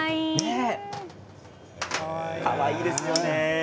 かわいいですよね。